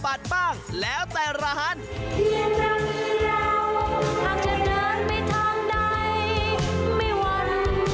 เพียงกลางนึงแล้วถ้าจะเดินไปทางใดไม่วัน